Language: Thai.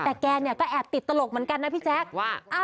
แต่แกเนี่ยก็แอบติดตลกเหมือนกันนะพี่แจ๊คว่า